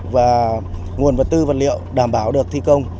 và nguồn vật tư vật liệu đảm bảo được thi công